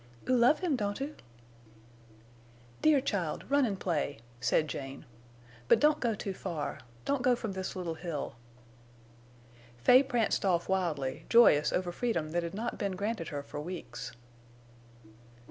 "Oo love him, don't oo?" "Dear child—run and play," said Jane, "but don't go too far. Don't go from this little hill." Fay pranced off wildly, joyous over freedom that had not been granted her for weeks.